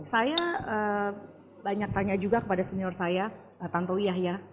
saya banyak tanya juga kepada senior saya tanto wiyah ya